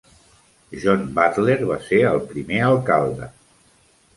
John Butler va ser el primer alcalde.